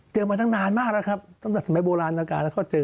เจอมานานมากแล้วครับตั้งแต่สมัยโบราณอาการเขาเจอ